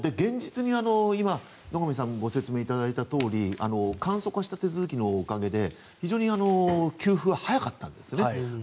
現実に今、野上さんがご説明いただいたとおり簡素化した手続きのおかげで給付早かったんですね。